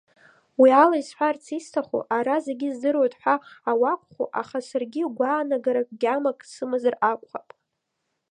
Уиала исҳәарц исҭаху, ара зегьы здыруеит ҳәа ауакәху, аха саргьы гәаанагарак, гьамак сымазар акәхап.